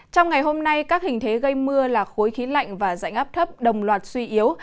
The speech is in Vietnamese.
trong ngày hôm nay các hình thế gây mưa là khối khí lạnh và dạnh áp thấp đồng loạt suy yếu